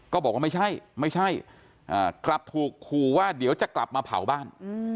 บอกว่าไม่ใช่ไม่ใช่กลับถูกขู่ว่าเดี๋ยวจะกลับมาเผาบ้าน